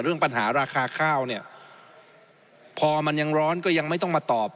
เรื่องปัญหาราคาข้าวเนี่ยพอมันยังร้อนก็ยังไม่ต้องมาตอบ